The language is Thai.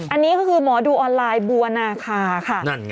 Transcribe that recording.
อันนี้ก็คือหมอดูออนไลน์บัวนาคาค่ะ